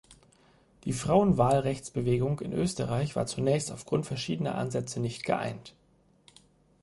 Die Frauenwahlrechtsbewegung in Österreich war zunächst aufgrund verschiedener Ansätze nicht geeint.